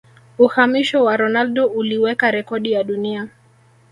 Uhamisho wa Ronaldo uliweka rekodi ya dunia